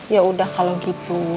ya udah kalau gitu